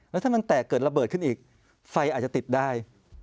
แล้วถ้ามันแตกเกิดระเบิดขึ้นอีกไฟอาจจะติดได้